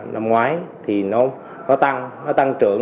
năm ngoái thì nó tăng nó tăng trưởng